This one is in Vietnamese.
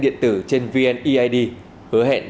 điện tử trên vneid hứa hẹn